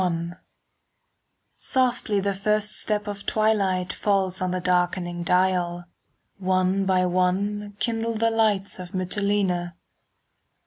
XXI Softly the first step of twilight Falls on the darkening dial, One by one kindle the lights In Mitylene.